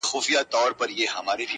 ما کتلی په ورغوي کي زما د ارمان پال دی,